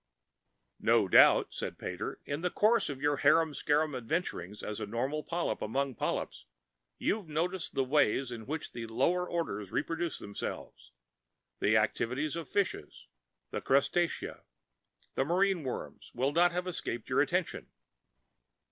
"No doubt," said Pater, "in the course of your harum scarum adventurings as a normal polyp among polyps, you've noticed the ways in which the lower orders reproduce themselves; the activities of the fishes, the crustacea, the marine worms will not have escaped your attention."